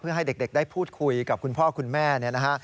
ให้เด็กได้พูดคุยกับคุณพ่อคุณแม่เนี่ยนะฮะ